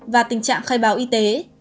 và tình trạng khai báo y tế